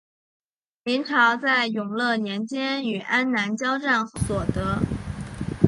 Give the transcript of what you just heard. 明朝在永乐年间与安南交战后所得。